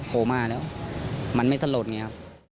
โหมาแล้วมันไม่สลดไงครับ